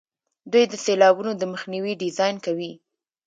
دوی د سیلابونو د مخنیوي ډیزاین کوي.